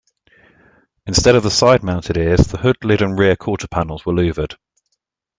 Instead of the side-mounted "ears", the hood lid and rear quarter panels were louvered.